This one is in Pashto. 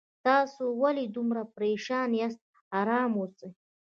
تاسو ولې دومره پریشان یاست آرام اوسئ